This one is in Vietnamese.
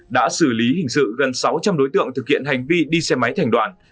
đã xử lý hình sự gần sáu trăm linh đối tượng thực hiện hành vi đi xe máy thành đoàn